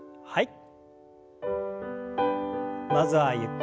はい。